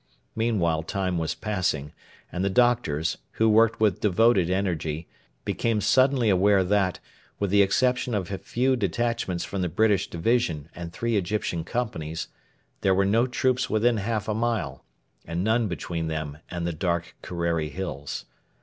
Meanwhile time was passing, and the doctors, who worked with devoted energy, became suddenly aware that, with the exception of a few detachments from the British division and three Egyptian companies, there were no troops within half a mile, and none between them and the dark Kerreri Hills.